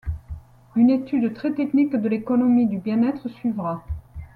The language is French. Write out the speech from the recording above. Une étude très technique de l’économie du bien-être suivra.